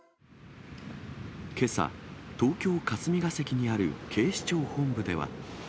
けさ、東京・霞が関にある警視庁本部では。